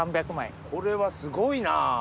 これはすごいな！